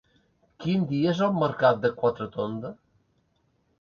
Quin dia és el mercat de Quatretonda?